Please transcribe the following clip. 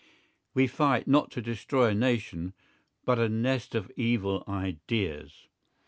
We fight not to destroy a nation, but a nest of evil ideas.